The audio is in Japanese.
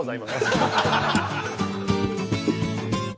ハハハハ！